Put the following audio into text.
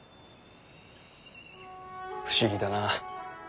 不思議だな。